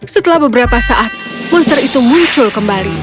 setelah beberapa saat monster itu muncul kembali